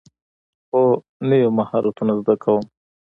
هو، نوی مهارتونه زده کوم